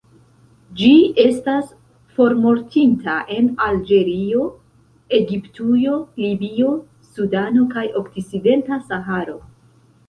Ĝi estas formortinta en Alĝerio, Egiptujo, Libio, Sudano kaj okcidenta Saharo.